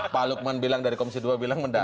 pak lukman bilang dari komisi dua bilang